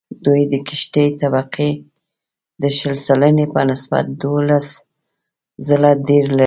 دوی د کښتې طبقې د شل سلنې په نسبت دوولس ځله ډېر لري